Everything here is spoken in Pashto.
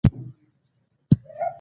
د بزګرانو د کاري وسایلو طریقې زیاتې شوې.